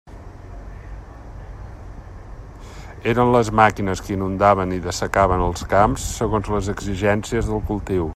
Eren les màquines que inundaven i dessecaven els camps, segons les exigències del cultiu.